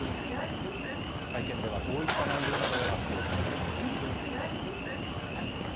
会見では合意した内容などを発表する予定です。